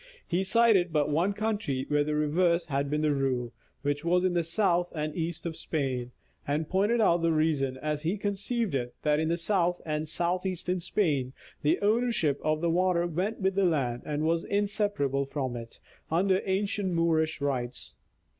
He cited but one country where the reverse had been the rule, which was in the south and east of Spain, and pointed out the reason, as he conceived it, that in south and south eastern Spain the ownership of the water went with the land and was inseparable from it, under ancient Moorish rights.